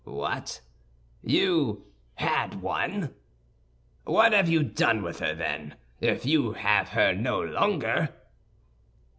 "What, you 'had one'? What have you done with her, then, if you have her no longer?"